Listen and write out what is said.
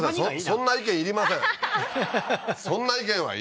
そんな意見いりませんははは